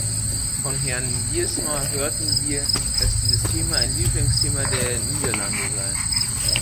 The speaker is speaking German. Von Herrn Wiersma hörten wir, dass dieses Thema ein Lieblingsthema der Niederlande sei.